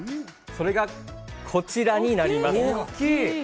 それがこちらになります。